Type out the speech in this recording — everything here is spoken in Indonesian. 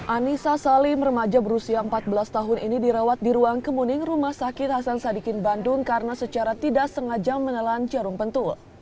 anissa salim remaja berusia empat belas tahun ini dirawat di ruang kemuning rumah sakit hasan sadikin bandung karena secara tidak sengaja menelan jarum pentul